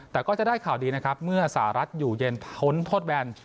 แต่ก็จะได้ข่าวดีนะครับเมื่อสหรัฐอยู่เย็นพ้นโทษแบน